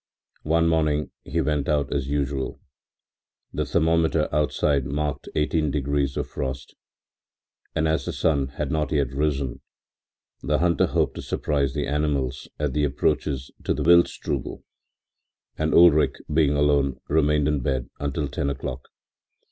One morning he went out as usual. The thermometer outside marked eighteen degrees of frost, and as the sun had not yet risen, the hunter hoped to surprise the animals at the approaches to the Wildstrubel, and Ulrich, being alone, remained in bed until ten o'clock.